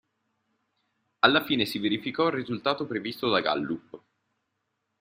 Alla fine, si verificò il risultato previsto da Gallup.